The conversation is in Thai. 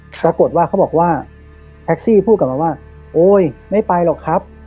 ปรากฏว่าเขาบอกว่าแท็กซี่พูดกลับมาว่าโอ๊ยไม่ไปหรอกครับ